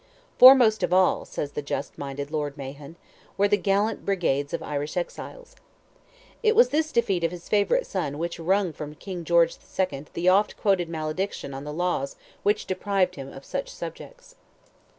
"Foremost of all," says the just minded Lord Mahon, "were the gallant brigade of Irish exiles." It was this defeat of his favourite son which wrung from King George II. the oft quoted malediction on the laws which deprived him of such subjects.